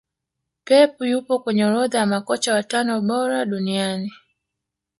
pepu yupo kwenye orodha ya makocha watano bora duniania